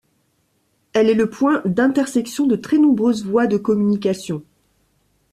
Elle est le point d'intersection de très nombreuses voies de communication.